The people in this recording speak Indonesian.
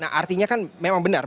nah artinya kan memang benar